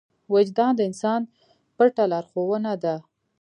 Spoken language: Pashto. وجدان د انسان پټه لارښوونه ده.